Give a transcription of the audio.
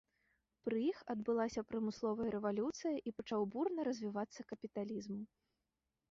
Пры іх адбылася прамысловая рэвалюцыя і пачаў бурна развівацца капіталізм.